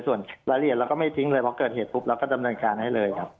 ส่วนรายละเอียดเราก็ไม่ทิ้งเลยเพราะเกิดเหตุปุ๊บเราก็ดำเนินการให้เลยครับ